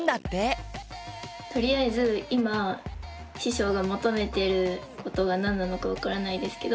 とりあえず今師匠が求めてることが何なのか分からないですけど